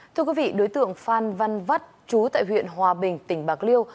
thưa quý vị đối tượng phan văn vắt chú tại huyện hòa bình tỉnh bạc liêu